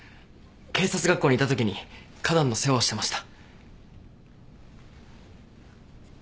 警察学校にいたときに花壇の世話をしてました。